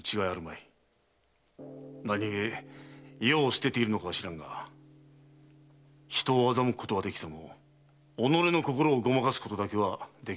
何故世を捨てているのか知らぬが人を欺くことはできても己の心をごまかすことだけはできますまい。